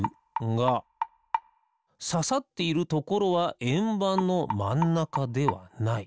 がささっているところはえんばんのまんなかではない。